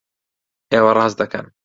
ئێوە ڕاست دەکەن!